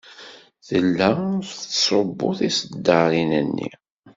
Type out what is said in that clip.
Tella tettṣubbu tiseddaṛin-nni.